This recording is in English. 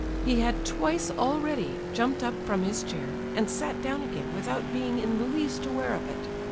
He had twice already jumped up from his chair and sat down again without being in the least aware of it.